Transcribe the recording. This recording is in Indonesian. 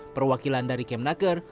perwakilan dari kemnaker